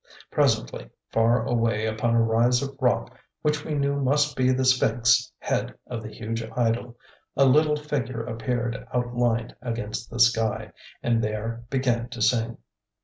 Presently, far away upon a rise of rock which we knew must be the sphinx head of the huge idol, a little figure appeared outlined against the sky, and there began to sing.